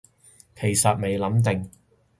其實未諗定